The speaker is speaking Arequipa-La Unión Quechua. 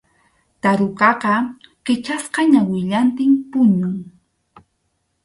Tarukaqa kichasqa ñawillantin puñun.